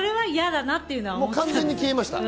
完全に消えました。